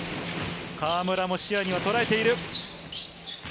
河村も視野にはとらえている。